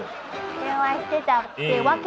電話してたってわけ。